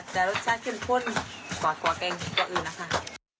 แต่รสชาติขึ้นพุนกว่ากว่าแกงตัวอื่นนะครับ